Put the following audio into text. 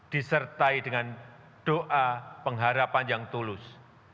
disertai dengan doa pengharapan yang tulus